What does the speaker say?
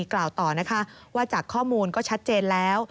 กล่าวต่อนะคะว่าจากข้อมูลก็ชัดเจนแล้ว